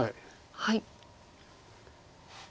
はい。